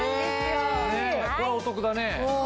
これはお得だね。